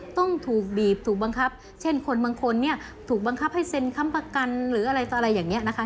ต้องถูกบีบถูกบังคับเช่นคนบางคนเนี่ยถูกบังคับให้เซ็นค้ำประกันหรืออะไรอย่างนี้นะคะ